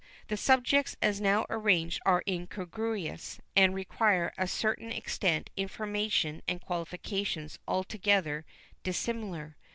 The subjects as now arranged are incongruous, and require to a certain extent information and qualifications altogether dissimilar.